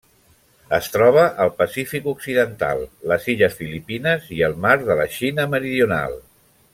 Es troba al Pacífic occidental: les illes Filipines i el mar de la Xina Meridional.